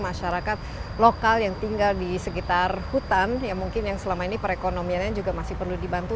masyarakat lokal yang tinggal di sekitar hutan ya mungkin yang selama ini perekonomiannya juga masih perlu dibantu